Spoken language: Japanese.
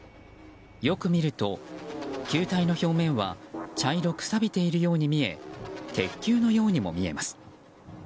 よく見ると球体の表面は茶色くさびているように見え鉄球のようにも見えます。